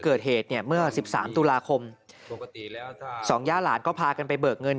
เกิดเหตุเนี่ยเมื่อ๑๓ตุลาคมปกติแล้วสองย่าหลานก็พากันไปเบิกเงิน